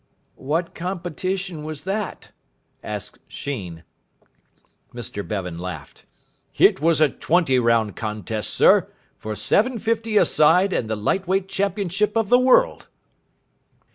"What competition was that?" asked Sheen. Mr Bevan laughed. "It was a twenty round contest, sir, for seven fifty aside and the Light Weight Championship of the World."